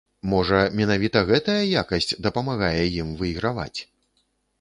Можа, менавіта гэтая якасць дапамагае ім выйграваць?